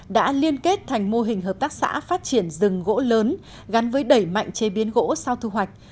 đã liên kết thành mô hình hợp tác xã phát triển rừng gỗ lớn gắn với đẩy mạnh chế biến gỗ sau thu hoạch